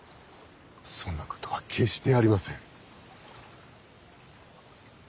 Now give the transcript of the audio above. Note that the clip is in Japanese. そんなことは決してありません。